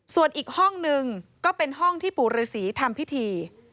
ส่วนอีกห้องหนึ่งก็เป็นห้องที่ปู่ฤษีทำพิธี